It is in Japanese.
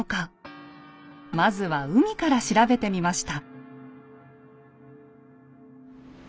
まずは海から調べてみました。